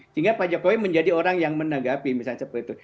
sehingga pak jokowi menjadi orang yang menanggapi misalnya seperti itu